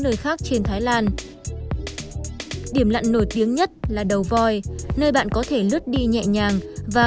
nơi khác trên thái lan điểm lặn nổi tiếng nhất là đầu voi nơi bạn có thể lướt đi nhẹ nhàng và